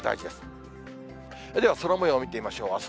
では空もよう見てみましょう。